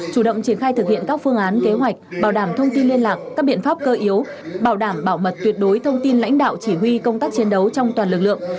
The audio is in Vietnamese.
chủ động triển khai thực hiện các phương án kế hoạch bảo đảm thông tin liên lạc các biện pháp cơ yếu bảo đảm bảo mật tuyệt đối thông tin lãnh đạo chỉ huy công tác chiến đấu trong toàn lực lượng